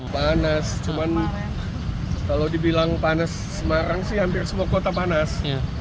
panas cuman kalau dibilang panas semarang sih hampir semua kota panas